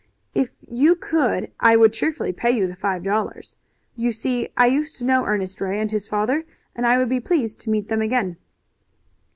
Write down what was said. "If you could I would cheerfully pay you the five dollars. You see I used to know Ernest Ray and his father, and I would be pleased to meet them again."